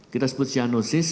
kita sebut cyanosis